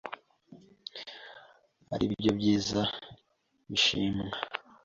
ari byo byiza bishimwa